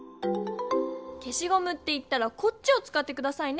けしごむっていったらこっちをつかってくださいね！